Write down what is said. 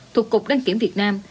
thuộc cục đăng kiểm việt nam